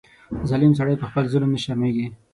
ظالم سړی په خپل ظلم نه شرمېږي.